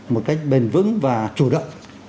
một cách bền vững và chủ động